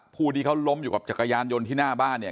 ผู้ที่เขาล้มอยู่กับจักรยานยนต์ที่หน้าบ้านเนี่ย